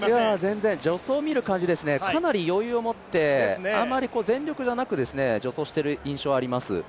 全然、助走を見る感じかなり余裕を持って、あまり全力じゃなく助走をしている様子があります。